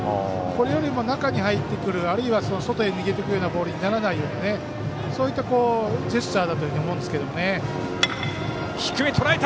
これよりも中に入ってくるあるいは外に逃げていくボールにならないようにそういったジェスチャーだと思うんですけど。